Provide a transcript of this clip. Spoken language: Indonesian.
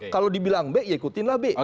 kalau dibilang b ya ikutin lah b